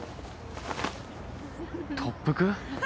特服？